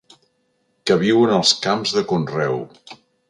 Que viu en els camps de conreu.